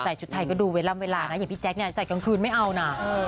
ชุดไทยก็ดูเวลานะอย่างพี่แจ๊คเนี่ยใส่กลางคืนไม่เอานะ